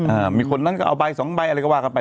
อ่ามีคนนั้นก็เอาใบสองใบอะไรก็ว่ากันไป